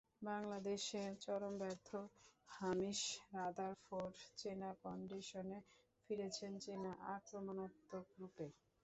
বাংলাদেশে চরম ব্যর্থ হামিশ রাদারফোর্ড চেনা কন্ডিশনে ফিরেছেন চেনা আক্রমণাত্মক রূপে।